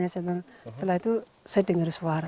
setelah itu saya dengar suara